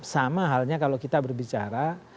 sama halnya kalau kita berbicara